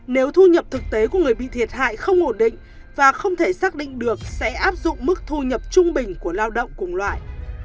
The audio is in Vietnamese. nếu thu nhập thực tế của người bị thiệt hại không ổn định và không thể xác định được sẽ áp dụng mức thu nhập trung bình của lao động cùng loại